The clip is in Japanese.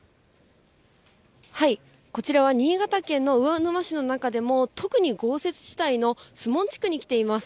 こちらは新潟県の魚沼市の中でも、特に豪雪地帯の守門地区に来ています。